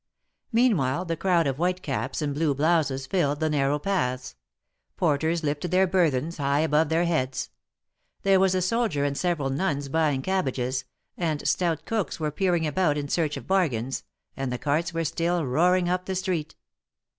Meanwhile the crowd of white caps and blue blouses filled the narrow paths ; porters lifted their bur thens high above their heads. There was a soldier and several nuns buying cabbages, and stout cooks were peer ing about in search of bargains, and the carts were still roaring up the street.